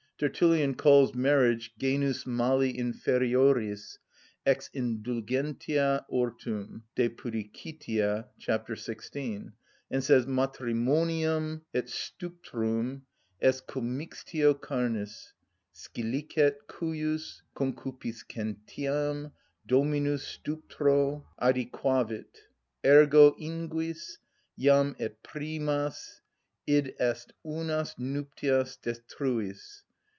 Tertullian calls marriage genus mali inferioris, ex indulgentia ortum (De pudicitia, c. 16) and says: "_Matrimonium et stuprum est commixtio carnis; scilicet cujus concupiscentiam dominus stupro adœquavit. Ergo, inguis, jam et primas, id est unas nuptias destruis?